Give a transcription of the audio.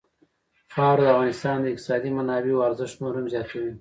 خاوره د افغانستان د اقتصادي منابعو ارزښت نور هم زیاتوي.